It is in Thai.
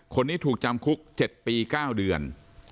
คนนี้ถูกจำคุก๗ปี๙เดือน